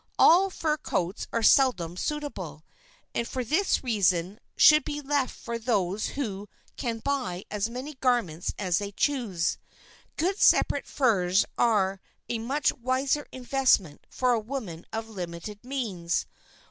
All fur coats are seldom suitable, and for this reason should be left for those who can buy as many garments as they choose. Good separate furs are a much wiser investment for a woman of limited means.